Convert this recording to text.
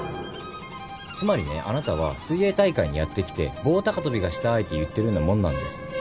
つまりねあなたは水泳大会にやって来て棒高跳びがしたいと言ってるようなもんなんです。